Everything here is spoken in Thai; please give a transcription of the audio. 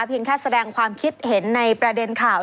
แค่แสดงความคิดเห็นในประเด็นข่าว